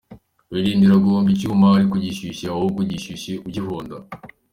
Wirindira guhonda icyuma aruko gishyushye; ahubwo gishyushye ugihonda”.